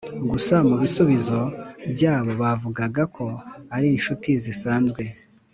gusa mu bisubizo byabo bavugaga ko ari inshuti zisanzwe